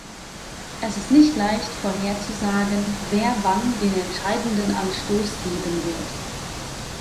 Es ist nicht leicht vorherzusagen, wer wann den entscheidenden Anstoß geben wird.